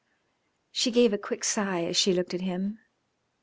She gave a quick sigh as she looked at him.